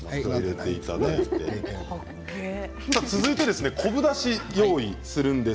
続いて昆布だしを用意します。